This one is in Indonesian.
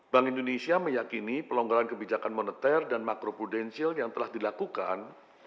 bank indonesia meyakini pelonggaran kebijakan moneter dan makro prudensial yang telah dilakukan